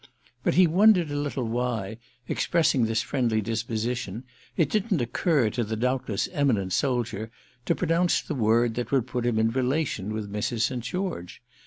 But he wondered a little why, expressing this friendly disposition, it didn't occur to the doubtless eminent soldier to pronounce the word that would put him in relation with Mrs. St. George.